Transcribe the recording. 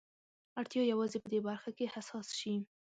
اړتيا يوازې په دې برخه کې حساس شي.